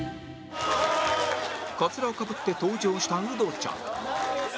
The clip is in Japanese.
カツラをかぶって登場したウドちゃん